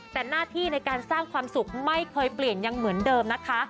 แต่หน้าที่ในการสร้างความสุขไม่เคยเปลี่ยนยังเหมือนเดิมนะคะ